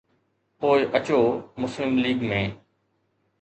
پوءِ اچو مسلم ليگ ۾.